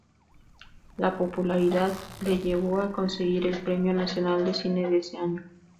La popularidad le llevó a conseguir el Premio Nacional de Cine de ese año.